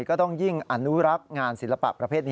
ก็ต้องยิ่งอนุรักษ์งานศิลปะประเภทนี้